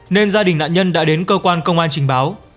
nên gia đình nạn nhân đã đến cơ quan công an trình báo